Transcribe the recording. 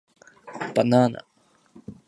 Banana